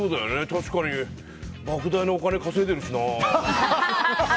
確かに莫大なお金を稼いでるしな。